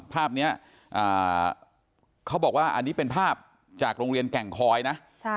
ภาพนี้เขาบอกว่าอันนี้เป็นภาพจากโรงเรียนแก่งคอยนะ